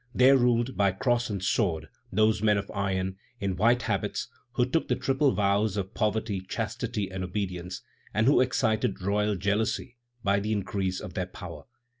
There ruled, by cross and sword, those men of iron, in white habits, who took the triple vows of poverty, chastity, and obedience, and who excited royal jealousy by the increase of their power.